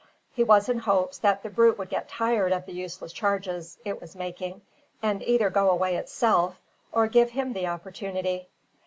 He was in hopes that the brute would get tired of the useless charges it was making and either go away itself, or give him the opportunity.